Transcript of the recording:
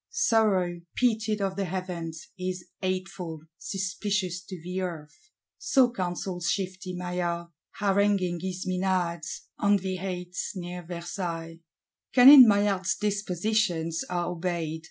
Sorrow, pitied of the Heavens, is hateful, suspicious to the Earth.—So counsels shifty Maillard; haranguing his Menads, on the heights near Versailles. Cunning Maillard's dispositions are obeyed.